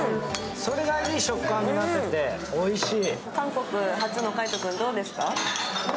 それがいい食感になってておいしい。